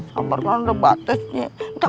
sabar kan udah batasnya